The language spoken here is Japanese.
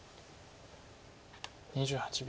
２８秒。